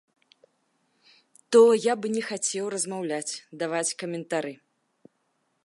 То я б не хацеў размаўляць, даваць каментары.